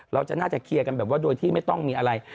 เราจะน่าจะเคลียร์กันแบบว่าโดยที่ไม่ต้องมีอะไร